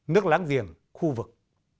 nước láng giềng khu vực